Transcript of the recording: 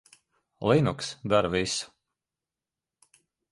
Linux dara visu.